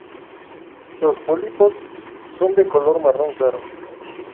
Los pólipos son de color marrón claro.